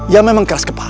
yang memang keras kepala